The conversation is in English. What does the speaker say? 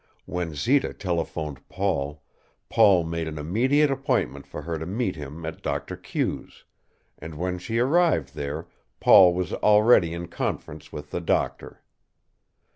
When Zita telephoned Paul, Paul made an immediate appointment for her to meet him at Doctor Q's, and when she arrived there Paul was already in conference with the doctor.